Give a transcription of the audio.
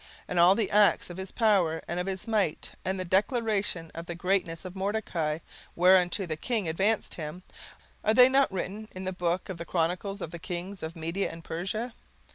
17:010:002 And all the acts of his power and of his might, and the declaration of the greatness of Mordecai, whereunto the king advanced him, are they not written in the book of the chronicles of the kings of Media and Persia?